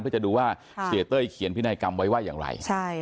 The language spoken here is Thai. เพื่อจะดูว่าเสียเต้ยเขียนพินัยกรรมไว้ว่าอย่างไร